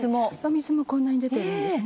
水もこんなに出てるんです。